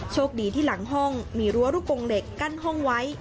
โชคดีที่หลังห้องมีรั้วลูกโปรงเหล็กกั้นห้องไว้